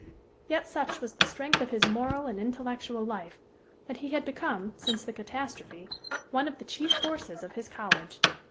Yet such was the strength of his moral and intellectual life that he had become, since the catastrophe, one of the chief forces of his college.